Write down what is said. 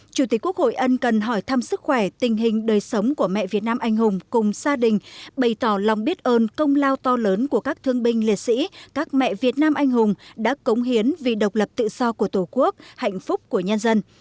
chủ tịch quốc hội ân cần hỏi thăm sức khỏe tình hình đời sống của mẹ việt nam anh hùng cùng gia đình bày tỏ lòng biết ơn công lao to lớn của các thương binh liệt sĩ các mẹ việt nam anh hùng đã cống hiến vì độc lập tự do của tổ quốc hạnh phúc của nhân dân